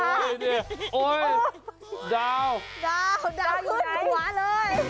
ตายอยู่ดาวที่หัวเลย